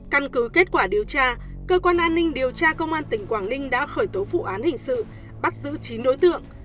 căn cứ kết quả điều tra cơ quan an ninh điều tra công an tỉnh quảng ninh đã khởi tố vụ án hình sự bắt giữ chín đối tượng